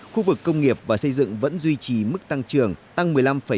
khu vực công nghiệp và xây dựng vẫn duy trì mức tăng trường tăng một mươi năm bảy mươi hai